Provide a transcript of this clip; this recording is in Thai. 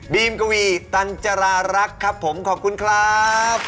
กวีตันจรารักษ์ครับผมขอบคุณครับ